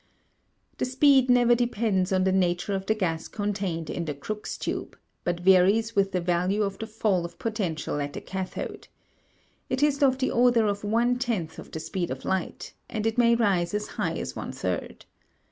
The speed never depends on the nature of the gas contained in the Crookes tube, but varies with the value of the fall of potential at the cathode. It is of the order of one tenth of the speed of light, and it may rise as high as one third.